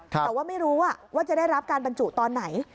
แต่ว่าไม่รู้ว่าจะได้รับการบรรจุตอนไหน